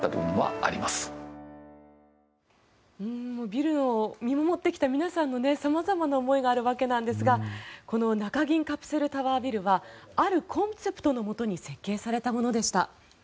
ビルを見守ってきた皆さんの様々な思いがあるわけなんですがこの中銀カプセルタワービルはあるコンセプトのもとに設計されたものでした。